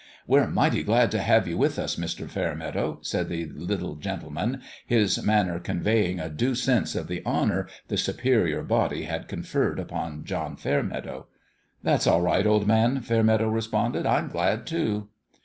" We're mighty glad to have you with us, Mr. Fairmeadow,'' said the little gentleman, his manner conveying a due sense of the honour the Superior Body had conferred upon John Fairmeadow. " That's all right, old man I " Fairmeadow re sponded. " I'm glad, too."